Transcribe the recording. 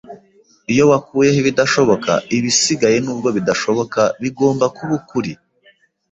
Iyo wakuyeho ibidashoboka, ibisigaye, nubwo bidashoboka, bigomba kuba ukuri.